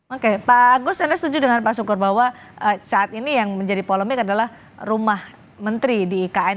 oke pak agus anda setuju dengan pak sukur bahwa saat ini yang menjadi polemik adalah rumah menteri di ikn